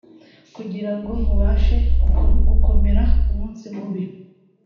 kugira ngo mubashe gukomera ku munsi mubi